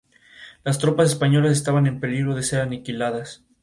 Las tropas españolas estaban en peligro de ser aniquiladas.